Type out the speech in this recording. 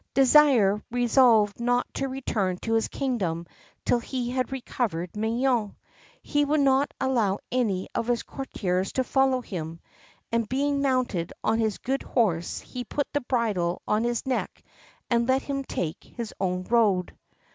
Désir resolved not to return to his kingdom till he had recovered Mignone. He would not allow any of his courtiers to follow him, and being mounted on his good horse he put the bridle on his neck and let him take his own road.